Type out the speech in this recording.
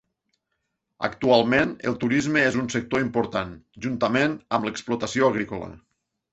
Actualment el turisme és un sector important, juntament amb l'explotació agrícola.